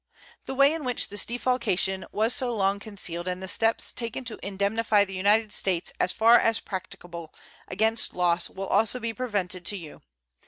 The way in which this defalcation was so long concealed and the steps taken to indemnify the United States, as far as practicable, against loss will also be presented to you.